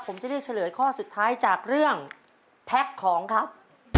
ผมจะเลือกเฉลยข้อสุดท้ายจากเรื่องแพ็คของครับ